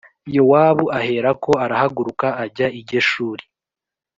Yowabu aherako arahaguruka ajya i Geshuri